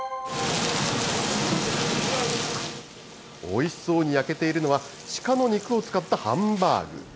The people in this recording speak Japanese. おいしそうに焼けているのは、シカの肉を使ったハンバーグ。